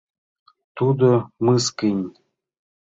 — Тудо мыскынь?!